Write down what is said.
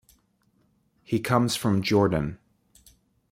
He comes from Jordan.